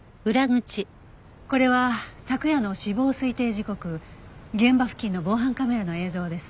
これは昨夜の死亡推定時刻現場付近の防犯カメラの映像です。